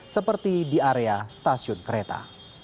seperti di area stasiun kereta